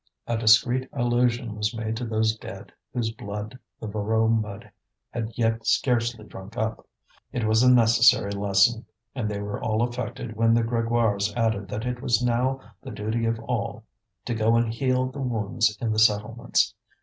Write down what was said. A discreet allusion was made to those dead whose blood the Voreux mud had yet scarcely drunk up. It was a necessary lesson: and they were all affected when the Grégoires added that it was now the duty of all to go and heal the wounds in the settlements.